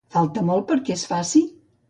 Falta molt perquè es faci?